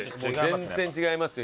全然違いますよ